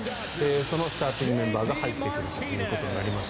そのスターティングメンバーが入ってくるということになります。